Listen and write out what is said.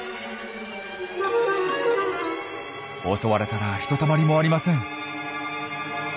襲われたらひとたまりもありません。